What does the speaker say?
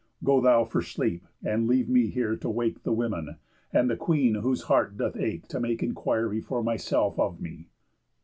Go thou for sleep, and leave me here to wake The women, and the Queen whose heart doth ache To make inquiry for myself of me."